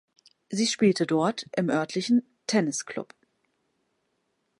Sie spielte dort im örtlichen Tennisclub.